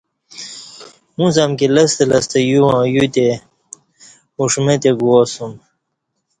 اُݩڅ امکی لستہ لستہ یوواں یوتی اُݜمہ تی گُواسُوم